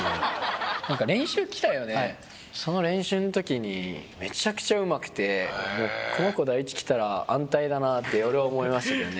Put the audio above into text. その練習の時にめちゃくちゃうまくてこの子第一に来たら安泰だなって俺は思いましたけどね。